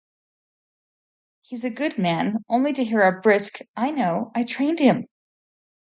He's a good man," only to hear a brisk, "I know, I trained him.